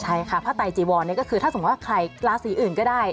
ใช่ค่ะพระไตจีวรนี่ก็คือถ้าสมมุติว่าใครราศีอื่นก็ได้